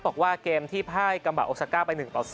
บอกว่าเกมที่พ่ายกัมบาโอซาก้าไป๑ต่อ๐